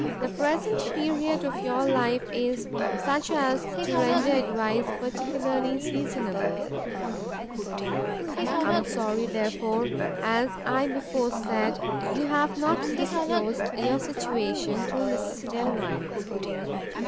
The present period of your life is such as to render advice particularly seasonable; I am sorry, therefore, as I before said, you have not disclosed your situation to Mrs Delvile.